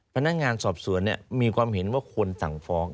พนักงานสอบสวนมีความเห็นว่าควรสั่งฟ้อง